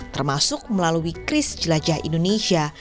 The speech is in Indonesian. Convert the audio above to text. termasuk melalui kris jelajah indonesia